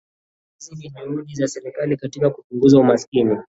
Hizi ni juhudi za serikali katika kupunguza umaskini